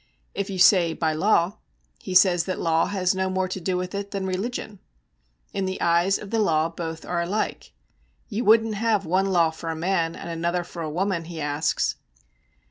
If you say by law, he says that law has no more to do with it than religion. In the eye of the law both are alike. 'You wouldn't have one law for a man and another for a woman?' he asks.